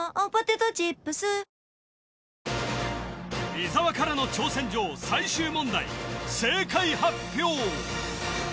伊沢からの挑戦状最終問題正解発表！